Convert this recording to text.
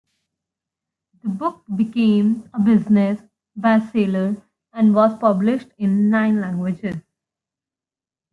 The book became a business bestseller and was published in nine languages.